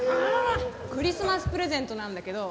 クリスマスプレゼントなんだけど。